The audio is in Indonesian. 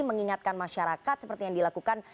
mengingatkan masyarakat seperti yang dilakukan